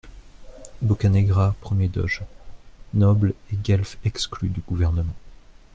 - Boccanegra premier doge.- Nobles et guelfes exclus du gouvernement.